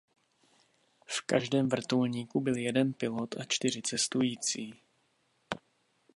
V každém vrtulníku byl jeden pilot a čtyři cestující.